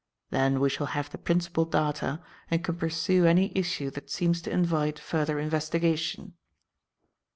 Then we shall have the principal data and can pursue any issue that seems to invite further investigation."